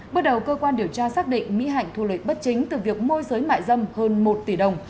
bước đầu cơ quan điều tra xác định mỹ hạnh thu lợi bất chính từ việc môi giới mại dâm hơn một tỷ đồng